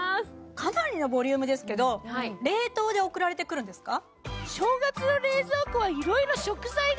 かなりのボリュームですけど冷凍で送られてくるんですか？